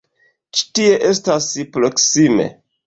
Ĉi tie estas proksime.